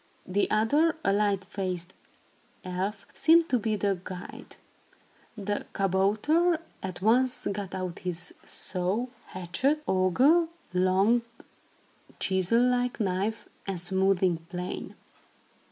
The other, a light faced elf, seemed to be the guide. The kabouter at once got out his saw, hatchet, auger, long, chisel like knife, and smoothing plane.